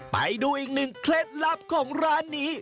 ไปดูอีกหนึ่งเคล็ดลับของร้านนี้